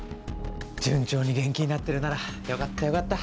順調に元気になってるならよかったよかった。